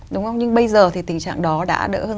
đúng không nhưng bây giờ thì tình trạng đó đã đỡ hơn